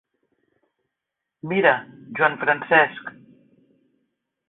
Mira, Joan Francesc.